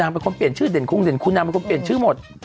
เป็นคนเปลี่ยนชื่อเด่นคงเด่นคุณนางเป็นคนเปลี่ยนชื่อหมด